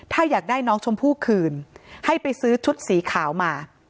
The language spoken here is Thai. ถ้าอยากได้น้องชมพู่คืนให้ไปซื้อชุดสีขาวมา